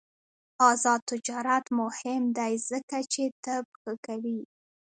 آزاد تجارت مهم دی ځکه چې طب ښه کوي.